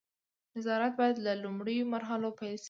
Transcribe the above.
نظارت باید له لومړیو مرحلو پیل شي.